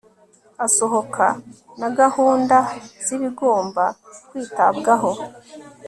asohoka na gahunda z ibigomba kwitabwaho